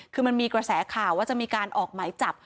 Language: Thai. คือมันมีกระแสข่าวว่าจะมีการออกหมายจับ